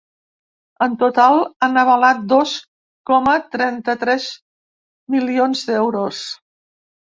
En total, han avalat dos coma trenta-tres milions d’euros.